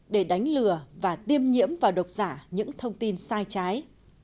để đánh lừa và tiêm nhiễm vào độc giả những thông tin sai trái